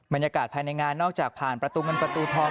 บรรยากาศภายในงานนอกจากผ่านประตูเงินประตูทอง